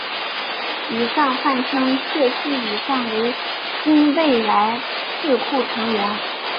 以上泛称谢系以上为新未来智库成员。